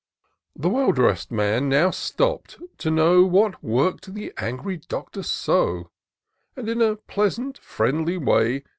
The well dress'd man now stopp'd, to know What work'd the angry Doctor so ; And, in a pleasant friendly way.